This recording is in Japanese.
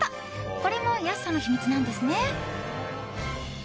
これも安さの秘密なんですね。